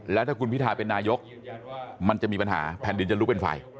แล้วถ้าคุณพิทาเป็นนายกมันจะมีปัญหาแผ่นดินจะลุกเป็นไฟ